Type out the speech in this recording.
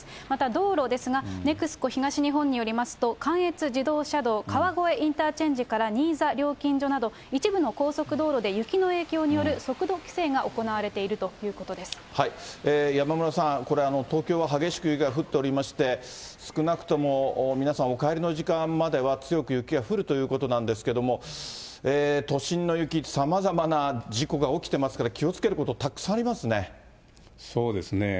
また道路ですが、ＮＥＸＣＯ東日本によりますと、関越自動車道、川越インターチェンジから新座料金所など、一部の高速道路で雪の影響による速度規制が行われているというこ山村さん、これ、東京は激しく雪が降っておりまして、少なくとも皆さんお帰りの時間までは、強く雪が降るということなんですけれども、都心の雪、さまざまな事故が起きてますから、気をつけること、たくさんありますね。